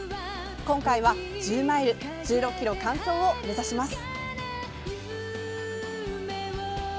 今回は１０マイル１６ｋｍ完走を目指します。